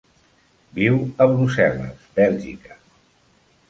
Viu a Brussel·les, Bèlgica.